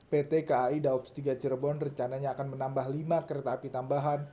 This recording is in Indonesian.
pt kai daops tiga cirebon rencananya akan menambah lima kereta api tambahan